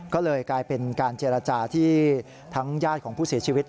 ก็เลยกลายเป็นการเจรจาที่ทั้งญาติของผู้เสียชีวิต